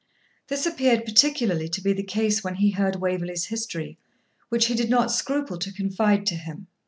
This appeared particularly to be the case when he heard Waverley's history, which he did not scruple to confide to him.